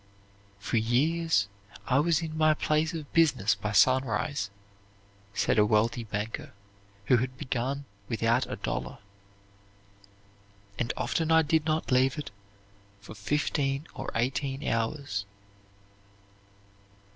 "For years I was in my place of business by sunrise," said a wealthy banker who had begun without a dollar; "and often I did not leave it for fifteen or eighteen hours."